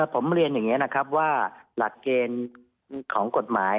ผมเรียนอย่างนี้นะครับว่าหลักเกณฑ์ของกฎหมาย